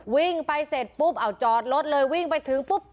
วิ่งไปเสร็จปุ๊บเอาจอดรถเลยวิ่งไปถึงปุ๊บ